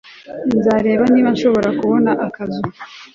Nzareba niba nshobora kubona akazu